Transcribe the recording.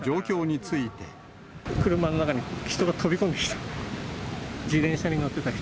につ車の中に人が飛び込んできた。